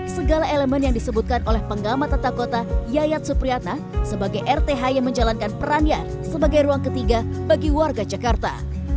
segala elemen yang disebutkan oleh pengamat tata kota yayat supriyatna sebagai rth yang menjalankan perannya sebagai ruang ketiga bagi warga jakarta